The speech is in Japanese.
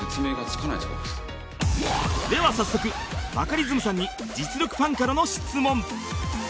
では早速バカリズムさんに実力ファンからの質問